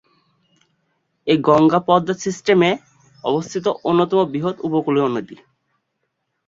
এটা গঙ্গা-পদ্মা সিস্টেমে অবস্থিত অন্যতম বৃহৎ উপকূলীয় নদী।